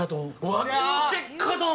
和牛鉄火丼。